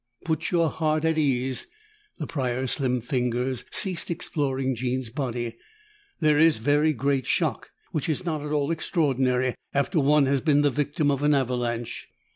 "Put your heart at ease." The Prior's slim fingers ceased exploring Jean's body. "There is very great shock, which is not at all extraordinary after one has been the victim of an avalanche.